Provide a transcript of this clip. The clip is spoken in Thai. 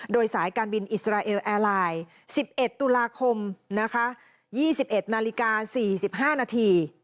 โดยสายการบินอิสราเอลแอร์ไลน์๑๑ตุลาคมนะคะ๒๑นาฬิกา๔๕นาที